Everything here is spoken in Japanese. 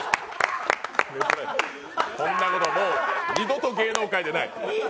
こんなこともう二度と芸能界でない。